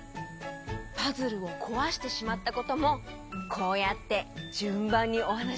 パズルをこわしてしまったこともこうやってじゅんばんにおはなしできる？